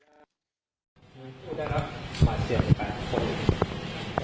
คุณผู้ได้รับหมาเชียง๘คน